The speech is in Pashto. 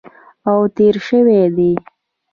او تېر شوي دي